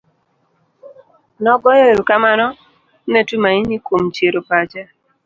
Nogoyo ero kamano ne Tumaini kuom chiero pache